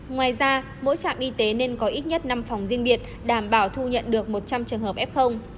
ngoài ra mỗi trạm y tế nên có ít nhất năm phòng riêng biệt đảm bảo thu nhận được một trăm linh trường hợp f